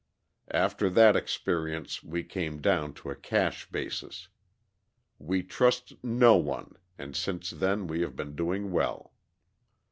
After that experience we came down to a cash basis. We trust no one, and since then we have been doing well."